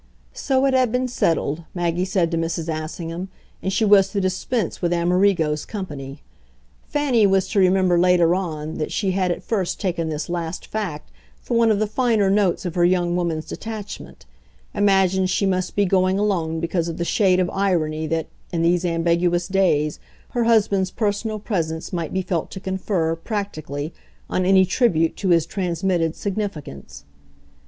So it had been settled, Maggie said to Mrs. Assingham, and she was to dispense with Amerigo's company. Fanny was to remember later on that she had at first taken this last fact for one of the finer notes of her young woman's detachment, imagined she must be going alone because of the shade of irony that, in these ambiguous days, her husband's personal presence might be felt to confer, practically, on any tribute to his transmitted significance.